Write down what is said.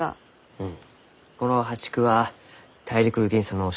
うん。